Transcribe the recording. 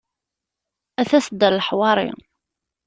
A tasedda n leḥwari.